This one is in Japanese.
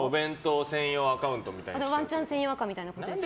ワンちゃん専用アカみたいなことですよね。